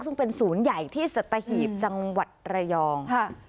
ซึ่งเป็นศูนย์ใหญ่ที่สัตหีบจังหวัดระยอง